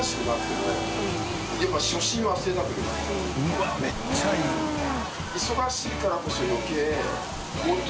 うわっめっちゃいい！店主）